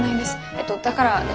えっとだからえ。